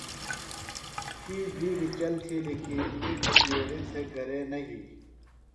تی بِیڈیۡ چل تِھیلیۡ کی اِنڇ جُویریۡ تھےۡ گھرے نہ یھی۔